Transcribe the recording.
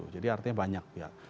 jadi artinya banyak